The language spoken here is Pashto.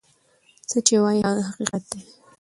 څه چی وای هغه حقیقت دی.